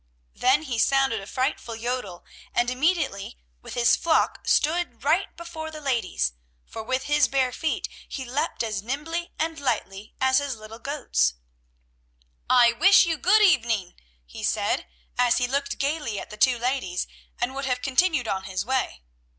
Then he sounded a frightful yodel and immediately with his flock stood right before the ladies, for with his bare feet he leaped as nimbly and lightly as his little goats. "I wish you good evening!" he said as he looked gayly at the two ladies, and would have continued on his way.